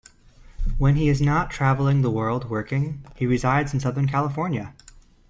When he is not traveling the world working, he resides in Southern California.